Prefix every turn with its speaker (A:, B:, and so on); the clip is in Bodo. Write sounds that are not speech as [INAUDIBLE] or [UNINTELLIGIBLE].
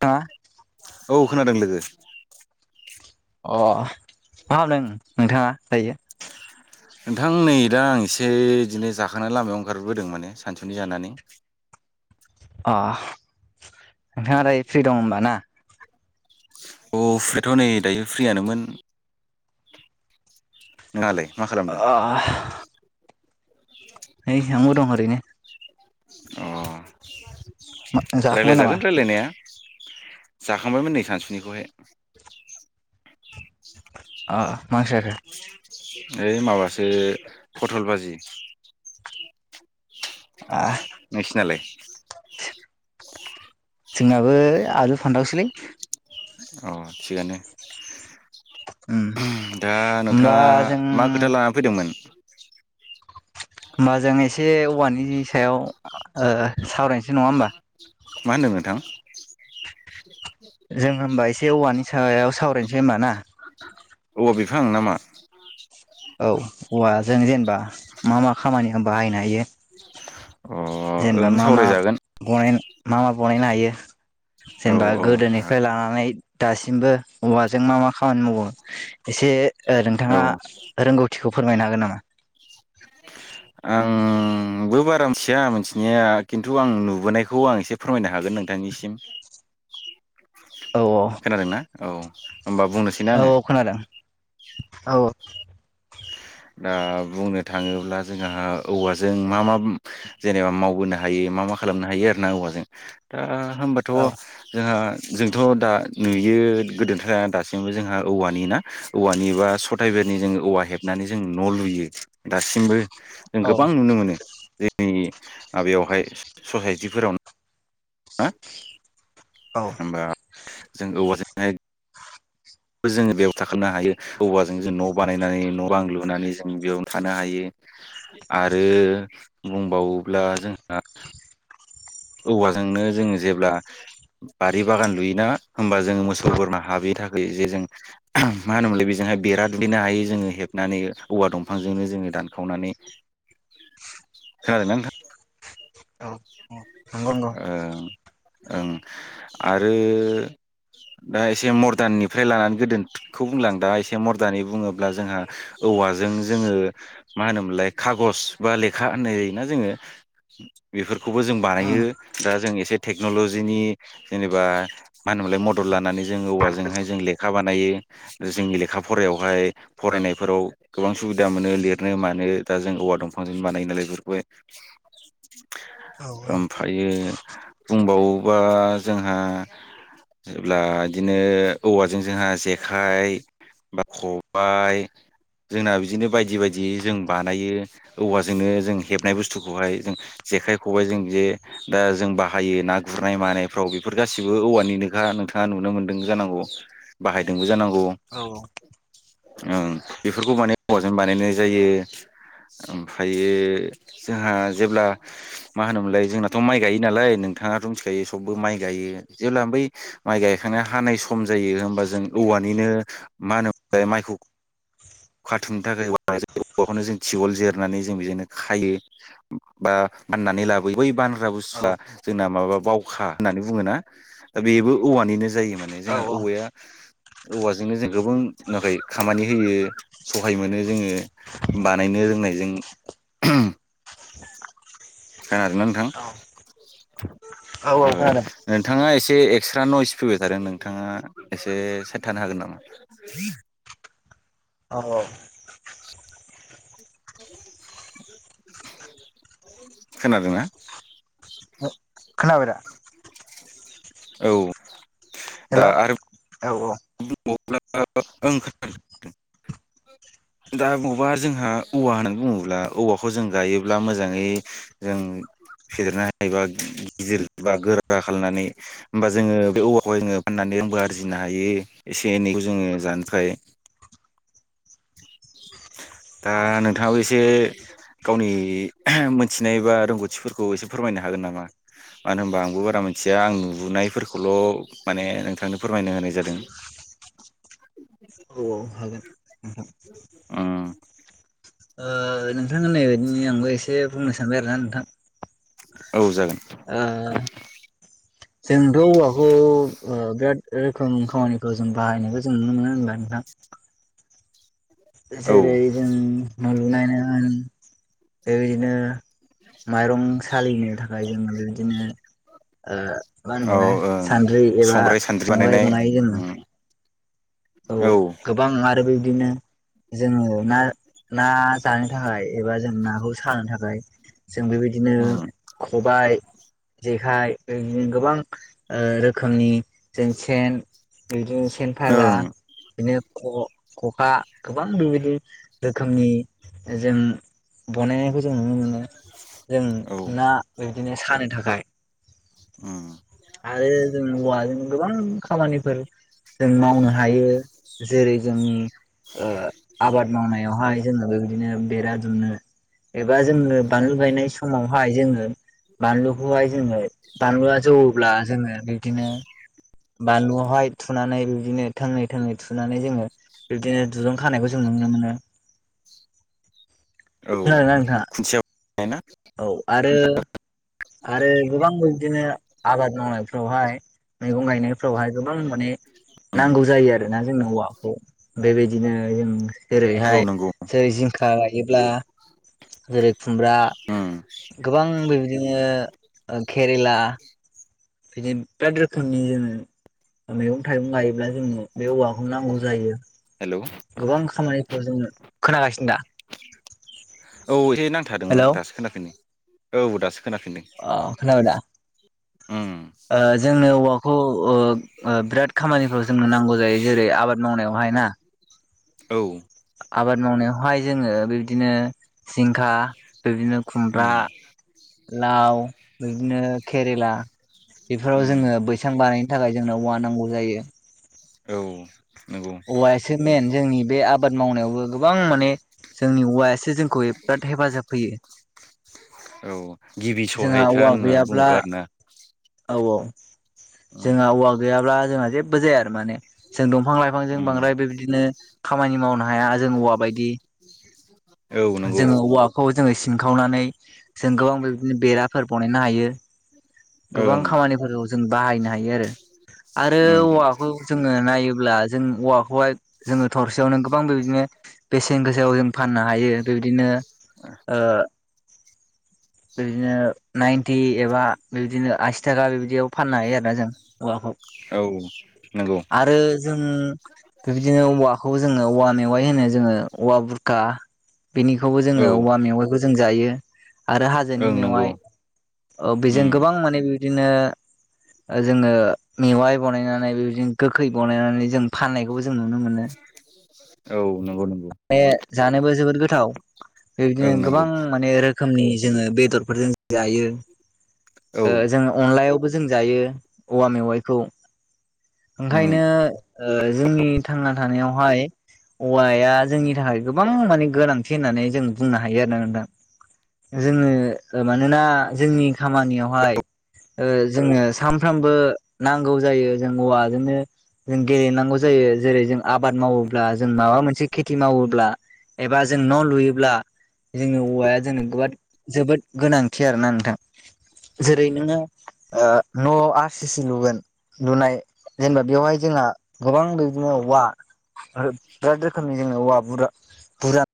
A: दा
B: औ खोनादों लोगो
A: अ मा खालामामदों नोंथाङा दायो।
B: नोंथां नै दा आं एसे बिदिनो जाखांनानै लामायाव ओंखारबोदों माने सानसुनि जानानै
A: अ नोंथाङा दाय फ्रि दं होनबा ना
B: अ फ्रिथ' नै दायो फ्रियानोमोन नोंहालाय मा खालामदों
A: ओ नै आंबो दं ओरैनो
B: अ
A: जाखांबाय नामा
B: रायलायजागोन रायलायनाया जाखांबायमोन नै सानसुनिखौहाय
A: ओ
B: ओइ माबासो पथल बाजि
A: आ
B: नोंसिनालाय
A: जोंनाबो आलु फान्थावसोलै
B: औ थिगानो
A: उम
B: दा
A: होमबा
B: नोंथाङा
A: जों
B: मा खोथा लानानै फैदोंमोन।
A: होमबा जों एसे औवानि सायाव ओ सावरायनोसै नङा होमबा?
B: मा होन्दों नोंथां?
A: जों होमबा एसे औवानि सायाव सावरायनोसै होमबा ना।
B: फां ना मा?
A: औ औवाजों जेनेबा मा मा खामानि होम बाहायनो हायो।
B: अ
A: जेनेबा
B: ओं
A: मा मा
B: सावरायजागोन
A: बनाय मा मा बनायनो हायो।
B: औ
A: जेनबा
B: औ
A: गोदोनिफ्राय लानानै दासिमबो औवाजों मा मा खामानि मावो एसे ओ नोंथाङा
B: औ
A: थिखौ फोरमायनो हागोन नामा?
B: आं आंबो बारा मिथिया मिथिनाया खिन्थु आं नुबोनायखौ आं एसे फोरमायनो हागोन नोंथांनिसिम।
A: औ औ।
B: खोनादोंना औ। होमबा बुंनोसैना
A: औ
B: आङो
A: औ खोनादों औ।
B: दा बुंनो थाङोब्ला जोंहा औवाजों मा मा जेनेबा मावबोनो हायो मा मा खालामनो हायो आरो ना औवाजों दा होमबाथ'
A: औ
B: जोंहा जोंथ' दा नुयो गोदोथा दासिमबो जोंहा औवानि ना औवानि बा सथाय बे नि जों औवा हेब होननानै जों न' लुयो दासिमबो जों
A: औ
B: गोबां नुनो मोनो जोंनि माबायावहाय ससायटिफोराव हो
A: औ
B: होमबा जों औवाजोंहाय
A: [INAUDIBLE]
B: जोङो बेयाव थाखोनो हायो औवाजों जों न' बानायनानै न' बां लुनानै जों बेयाव थानो हायो। आरो बुंबावोब्ला जोंहा औवाजोंनो जोङो जेब्ला बारि बागान लुयोना होमबा जोङो मोसौ बोरमा हाबि थाखै जे जों मा होनोमोनलाय बेजों बेरा दुमथेनो हायो जोङो हेबनानै औवा दंफांजोंनो जों जोङो दानखावनानै खोनादोंना नोंथां?
A: औ। नंगौ नंगौ
B: ओं ओं आरो दा एसे मदार्ननिफ्राय लानानै गोदोखौ बुंलां दा एसे मदार्न बुङोब्ला जोंहा औ औवाजों जोङो मा होनोमोनलाय खागज बा लेखा होननाय जायोना जोङो बेफोरखौबो जों
A: उम
B: बानायो दा जों एसे टेकनल'जिनि जेनेबा मा होनोमोनलाय मदद लानानै जों औवाजोंहाय जों लेखा बानायो। जोंनि लेखा फरायावहाय फरायनायफोराव गोबां सुबिदा मोनो लिरनो मानो दा जों हौवा दंफांजों बानायो नालाय बेफोरखौहाय
A: औ औ
B: ओमफ्रायो बुंबावोबा जोंहा जेब्ला इदिनो औवाजों जोंहा जेखाइ बा खबाय जोंना बिदिनो बायदि बायदि जों बानायो औवाजोंनो जों हेबनाय बुस्थुखौहाय जों जेखाइ खबायजों जे दा जों बाहायो ना गुरनाय मानायफ्राव बेफोर गासिबो औवानिनोखा नोंथाङा नुनो मोनदों। जानांगौ बाहायदोंबो जानांगौ।
A: औ।
B: ओं बेफोरखौ माने हौवाजाजों बानायनाय जायो। ओमफ्रायो जोंहा जेब्ला मा होनोम लाय जोंनाथ' माइ गायोमोन नालाय नोंथाङाथ' मिथिखायो सबबो माइ गायो जेब्ला बै माइ गायखां हा नाय सम जायो होमबा जों औवानिनो मा होनो मोनलाय माइखौ खाथुमनो थाखाय [UNINTELLIGIBLE] औवाखौनो जों थिवल जिरनानै जों बिदिनो खायो बा फाननानै लाबो बै बानग्रा बुसथुआ जोंना माबा बावखा होननानै बुङोना दा बेबो औवानिनो जायो मोन। माने
A: औ
B: जोंहा औवाया औवाजोंनो जों गोबां नुवाखै खामानि होयो सहाय मोनो जोङो बानायनो रोंनायजों खोनादोंना नोंथां? ओ
A: औ खोनादों
B: नोंथाङा एसे एसे एक्सट्रा नयस फैबाय थादों नोंथाङा एसे साइट थानो हागोन नामा? [INAUDIBLE]
A: औ औ ।
B: खोनादोंना?
A: [UNINTELLIGIBLE]
B: औ दा
A: हेल'
B: आरो
A: औ औ
B: [UNINTELLIGIBLE] दा बबावबा जोंहा औवा होननानै बुङोब्ला औवाखौ जों गायोब्ला मोजाङै जों फेदेरना एबा गिदिर बा गोरा खालामनानै होमबा जोङो बे औवाखौ जोङो फाननानै रांबो आरजिनो हायो एसे एनैखौ जोङो जानो थाखाय । दा
A: औ
B: नोंथाङाबो एसे गावनि मोनथिनाय बा रोंगौथिफोरखौ एसे फोरमायनो हागोन नामा? मानो होनबा आंबो बारा मोनथिया आं नुनायफोरखौल' माने नोंथांनो फोरमायना होनाय जादों। [INAUDIBLE]
A: औ औ ।
B: ओ
A: ओ नोंथां होननाय बायदिनो आंबो एसे बुंनो सानबाय आरोना नोंथां ।
B: औ जागोन ।
A: जोंथ' औवाखौ ओ बिराद रोखोम खामानिखौ जों बाहायनायखौ जों नुनो मोनो होनबाय नोंथां ।
B: औ
A: जेरै जों न' लुनायानो होन बेबायदिनो माइरं सालिनो थाखाय जोङो बेबायदिनो ओ मा होनो
B: औ
A: मोनलाय
B: ओं
A: सान्द्रि एबा
B: संग्राय सान्द्रि
A: संग्राय
B: बानायनाय
A: बनायो जोंङो ।
B: उम
A: औ गोबां आरो बेबदिनो जोङो ना ना जानो थाखाय एबा जों नाखौ सानो थाखाय जों बेबायदिनो
B: उम
A: खबाय जे खाइ आरो गोबां रोखोमनि जों सेन
B: औ
A: फाग्ला
B: ।
A: बिदिनो ख- खखा गोबां बेबायदि रोखोमनि जों बानायनायखौ जों नुनो मोनो जों
B: औ
A: ना बिदिनो सानो थाखाय
B: ओ
A: आरो जों औवा जों गोबां खामानि फोर जों मावनो हायो जेरै जोंनि ओ आबाद मावनायावहाय जोङो बेबायदिनो बेरा दुमनो । एबा जोङो बानलु गायनाय समावहाय जोङो बानलुखौहाय जोङो बानलुआ जौवोब्ला जोङो बिदिनो बानलुआवहाय थुनानै बिदिनो थोंनै थोंनै थुनानै जोङो बिबदिनो दुरुं खानायखौ जों नु नुनो मोनो ।
B: [INAUDIBLE] औ
A: नोंथाङा?
B: खुन्सेयाव
A: औ आरो आरो गोबां बिदिनो आबाद मावनायफ्रावहाय मैगं गायनायफ्रावहाय गोबां माने
B: उम
A: नांगौ जायो आरोना जोंनो हौवाखौ बेबायदिनो जों
B: औ
A: जेरैहाय
B: नंगौ
A: जेरै जिंखा गायोब्ला जेरै खुमब्रा
B: उम
A: गोबां बेबायदिनो केरेला बिदिनो बिराद रोखोमनि जोङो मैगं थाइगं गायोब्ला जोंनो बे औवाखौ नांगौ जायो।
B: हेल'
A: जोङो खोनागासिनो दा?
B: औ एसे नांथादोंमोन
A: हेलौ
B: दासो खोनाखैनि औ दासो खोनाफिनदों
A: अ खोनाबाय दा?
B: उम
A: ओ जोंनो औवा खौ ओ बिराद खामानिफ्राव जोंनो नांगौ जायो जेरै आबाद मावनायावहाय ना
B: औ
A: आबाद मावनायावहाय जोङो बेबदिनो जिंखा बिदिनो खुमब्रा
B: उम
A: लाव बिदिनो केरेला बेफोराव
B: उम
A: जोङो बैसां बानायनो थाखाय जोंनो औवा नांगौ जायो।
B: औ नंगौ
A: औवायासो मेन जोंनि बे आबाद मावनायावबो गोबां माने जोंनि औवाया सो जोंखौ बिराद हेफाजाब होयो।
B: औ गिबि
A: जोंहा
B: सहायथा
A: औवा
B: होनना
A: गैयाब्ला
B: बुङोबा आरो ना।
A: औ औ जोंहा औवा गैयाब्ला जोंहा जेबो जाया आरो माने। जों दंफां लाइफांजों
B: उम
A: बांद्राय बेबायदिनो खामानि मावनो हाया जों औवा बायदि
B: औ नंगौ
A: जोङो औवाखौ जोङो सि सिनखावनानै जों गोबां बेदिनो बेराफोर बनायनो हायो। गोबां
B: ओं
A: खामानिफोरखौ जों बाहायनो हायो आरो। आरो
B: उम
A: औवाखौ जोङो नायोब्ला जों औवाखौहाय जोङो थरसेयावनो गो बां बेबादिनो बेसेन गोसाायाव जों फाननो हायो बेबायदिनो ओ बिबादिनो नाइनटि एबा बिबादिनो आसि थाखा बिबदियाव फाननो हायो आरोना जों औवाखौ।
B: औ नंगौ
A: आरो जों बेबादिनो औवाखौ जोङो औवा मेवाइ होनो जोङो औवा बुरखा बेनिखौबो जोङो
B: औ
A: औवा मेवाइखौ जों जायो। आरो हाजोनि
B: ओं नंगौ
A: मेवाइ ओ बेजों
B: उम
A: गोबां माने बेबा बिदिनो जोङो मेवाइ बनायनानै बेबायदिनो गोखै बनायनानै जों फाननाय
B: [INAUDIBLE] नंगौ नंगौ
A: बे जानोबो जोबोद गोथाव बेबादिनो
B: ओं
A: गोबां
B: नंगौ
A: माने रो खोमनि जोङो बेदरफोरजों जायो
B: औ
A: ओ जों अनलायाव बो जों जायो औवा मेवाइखौ
B: उम
A: ओंखायनो ओ जोंनि थांना थानायावहाय औवाया जोंनि थाखाय गोबां माने गोनांथि होननानै जों बुंनो हायो आरो ना नोंथां। जोङो मानोना जोंनि खामानियावहाय ओ जोंनो सानफ्रामबो नांगौ जायो जों औवाजोंनो जों गेलेनांगौ जायो। जेरै जों आबाद मावोब्ला जों माबा मोनसे खेथि मावोब्ला एबा जों न' लुयोब्ला जोंनि औवाया जोंनो गोबाद जोबोद गोनांथि आरोना नोंथां। जेरै नोङो ओ न' आर सि सि लुगोन लुनाय जेनेबा बेवहाय जोंहा गोबां बिदिनो औवा बिराद रोखोमनि जोङो औवा बुरा बुरजा